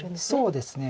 そうですね。